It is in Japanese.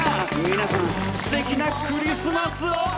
皆さんすてきなクリスマスを！